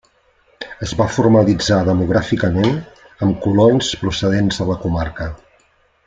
Es va formalitzar demogràficament amb colons procedents de la comarca.